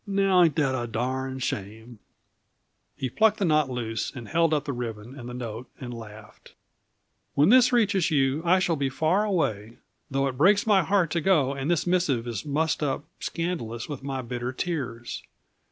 Now, ain't that a darned shame?" He plucked the knot loose, and held up the ribbon and the note, and laughed. "'When this reaches you, I shall be far away, though it breaks my heart to go and this missive is mussed up scandalous with my bitter tears.